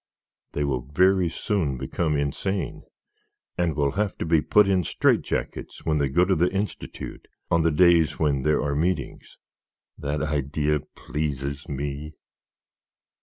They will very soon become insane, and will have to be put in strait jackets when they go to the Institute, on the days when there are meetings. That idea pleases me."